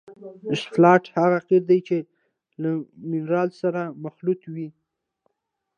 اسفالټ هغه قیر دی چې له منرال سره مخلوط وي